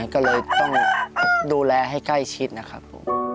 ก็เลยต้องดูแลให้ใกล้ชิดนะครับ